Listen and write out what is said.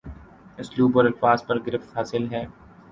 اسلوب اور الفاظ پر گرفت حاصل ہے